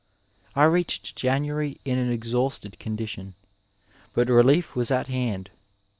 I reached January in an exhausted condition, but relief was at hand.